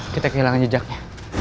kita kehilangan jejaknya